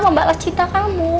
membalas cinta kamu